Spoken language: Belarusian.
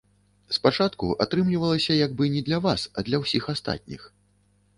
Спачатку атрымлівалася як бы не для вас, а для ўсіх астатніх.